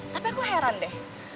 tapi aku heran deh